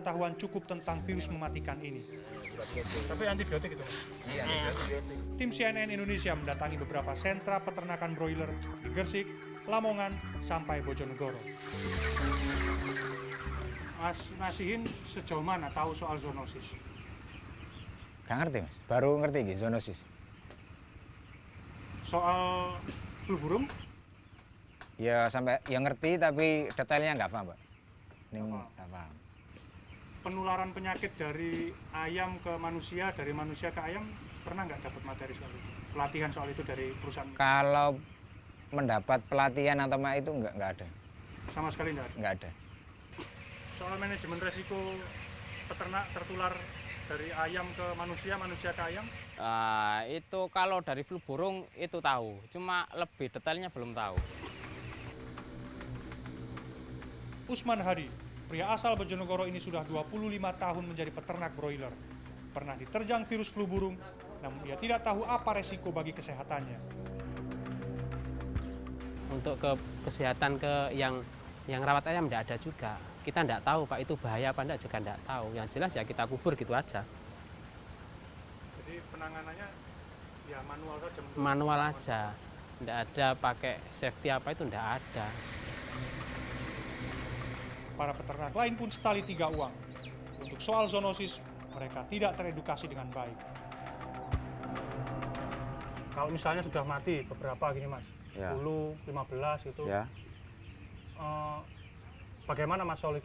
tujuannya memang agar